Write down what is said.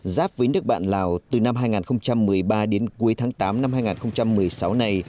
giáp với nước bạn lào từ năm hai nghìn một mươi ba đến cuối tháng tám năm hai nghìn một mươi sáu này